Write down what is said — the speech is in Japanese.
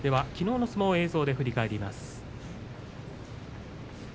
きのうの相撲を映像で振り返ります。